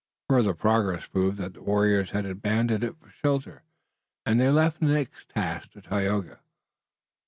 Further progress proved that the warriors had abandoned it for shelter, and they left the next task to Tayoga.